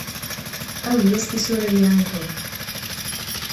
Awi-yas tisura-ya i Tom.